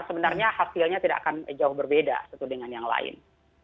sebenarnya hasilnya tidak akan jauh berbeda satu dengan yang lain